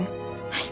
はい。